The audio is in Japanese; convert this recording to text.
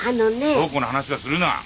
響子の話はするな！